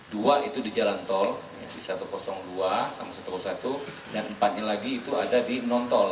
dua itu di jalan tol di satu ratus dua sama satu ratus satu dan empat nya lagi itu ada di non tol